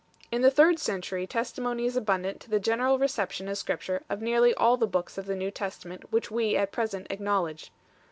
In the third century testimony is abundant to the general reception as Scripture of nearly all the books of the New Testament which we at present acknowledge.